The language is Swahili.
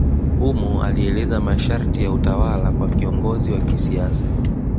Humo alieleza masharti ya utawala kwa kiongozi wa kisiasa.